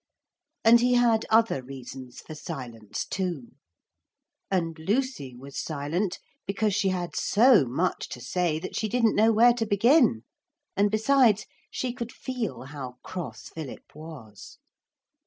And he had other reasons for silence too. And Lucy was silent because she had so much to say that she didn't know where to begin; and besides, she could feel how cross Philip was.